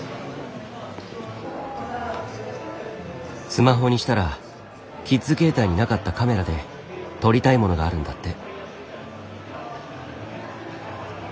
スマホにしたらキッズ携帯になかったカメラで撮りたいものがあるんだって。